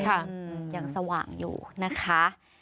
ยังสว่างอยู่นะคะ